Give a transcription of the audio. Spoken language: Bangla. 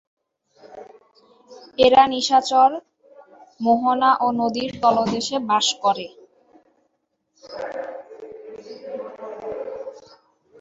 এরা নিশাচর, মোহনা ও নদীর তলদেশে বাস করে।